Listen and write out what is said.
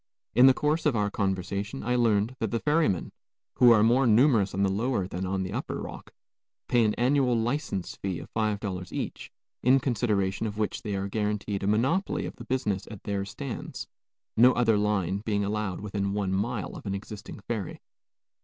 In the course of our conversation I learned that the ferrymen, who are more numerous on the lower than on the upper Rock, pay an annual license fee of five dollars each, in consideration of which they are guarantied a monopoly of the business at their stands, no other line being allowed within one mile of an existing ferry.